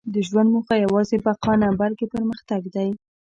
• د ژوند موخه یوازې بقا نه، بلکې پرمختګ دی.